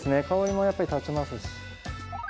香りもやっぱり立ちますし。